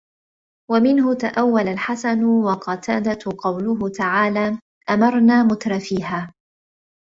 وَمِنْهُ تَأَوَّلَ الْحَسَنُ وَقَتَادَةُ قَوْله تَعَالَى أَمَرْنَا مُتْرَفِيهَا